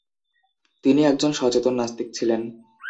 তিনি একজন সচেতন নাস্তিক ছিলেন।